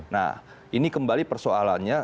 nah ini kembali persoalannya